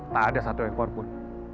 tak ada satu ekor pun